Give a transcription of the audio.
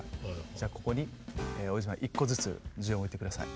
じゃあここに大泉さん１個ずつ１０円置いて下さい。